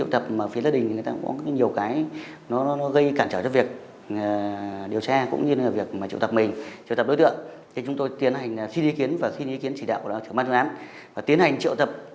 tiến hành triệu tập